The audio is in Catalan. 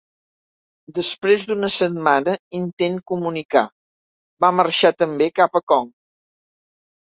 Després d'una setmana intent comunicar, va marxar també cap a Kong.